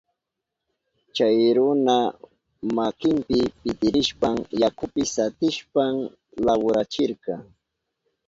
Chay runa makinpi pitirishpan yakupi satishpan lawrachirka.